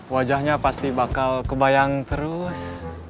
wajahnya pasti bakal kebayang terus